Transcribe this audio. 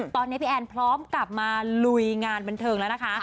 ตอนนี้พี่แอนพร้อมกลับมาลุยงานบันเทิงแล้วนะคะ